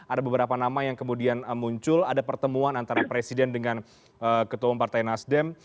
ada beberapa nama yang kemudian muncul ada pertemuan antara presiden dengan ketua partai nasdem